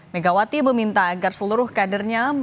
megawati meminta agar seluruh kadernya